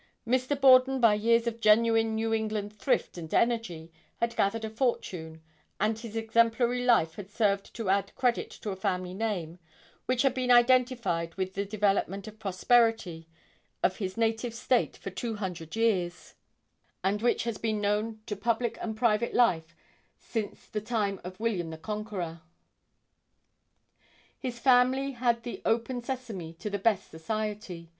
Mr. Borden by years of genuine New England thrift and energy had gathered a fortune, and his exemplary life had served to add credit to a family name which had been identified with the development and prosperity of his native state for two hundred years, and which has been known to public and private life since the time of William the Conqueror. His family had the open sesame to the best society.